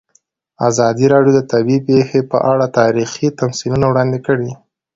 ازادي راډیو د طبیعي پېښې په اړه تاریخي تمثیلونه وړاندې کړي.